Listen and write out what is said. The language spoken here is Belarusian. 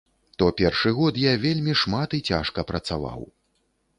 То першы год я вельмі шмат і цяжка працаваў.